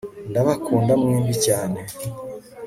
ndabakunda mwembi cyane